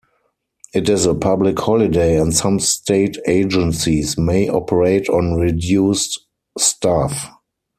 It is a public holiday and some state agencies may operate on reduced staff.